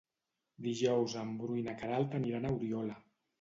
Dijous en Bru i na Queralt aniran a Oriola.